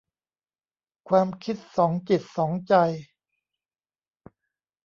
ความคิดสองจิตสองใจ